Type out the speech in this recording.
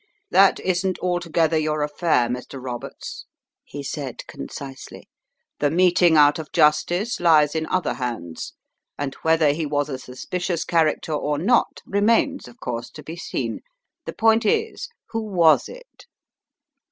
"That isn't altogether your affair, Mr. Roberts," he said, concisely, "the meting out of justice lies in other hands, and whether he was a suspicious character or not remains, of course, to be seen. The point is, who was it?"